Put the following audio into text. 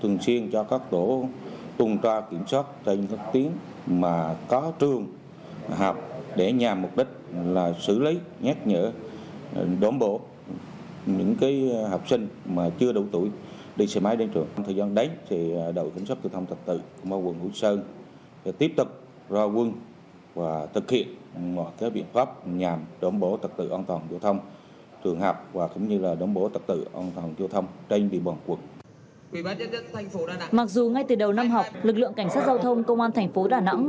mặc dù ngay từ đầu năm học lực lượng cảnh sát giao thông công an thành phố đà nẵng